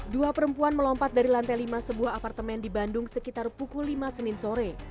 dua perempuan melompat dari lantai lima sebuah apartemen di bandung sekitar pukul lima senin sore